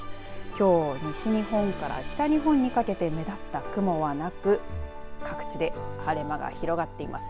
きょう西日本から北日本にかけて目立った雲はなく各地で晴れ間が広がっています。